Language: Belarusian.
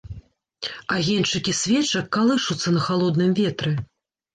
Агеньчыкі свечак калышуцца на халодным ветры.